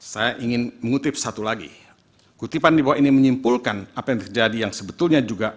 saya ingin mengutip satu lagi kutipan di bawah ini menyimpulkan apa yang terjadi yang sebetulnya juga